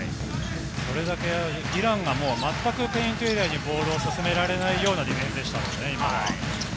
それだけイランが全くペイントエリアにボールを進められないようなディフェンスでしたもんね。